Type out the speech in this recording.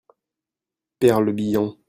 Pêr Le Bihan.